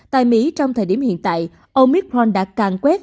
tại mỹ trong thời điểm hiện tại omicron đã càng quét